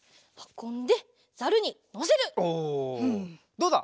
どうだ？